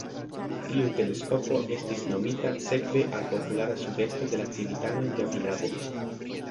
Tiu teleskopo estis nomita sekve al populara sugesto de la civitanoj de Okinavo.